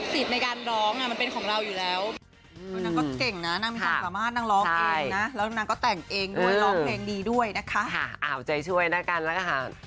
สิทธิ์ในการร้องมันเป็นของเราอยู่แล้ว